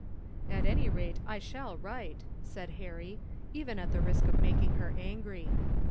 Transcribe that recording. "At any rate, I shall write," said Harry, "even at the risk of making her angry."